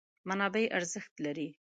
منابع ارزښت لري.